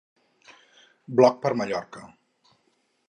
Bloc per Mallorca: